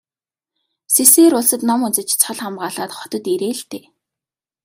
Сэсээр улсад ном үзэж цол хамгаалаад хотод ирээ л дээ.